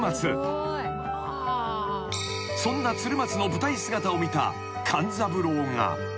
［そんな鶴松の舞台姿を見た勘三郎が］